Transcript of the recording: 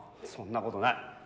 そんなことない。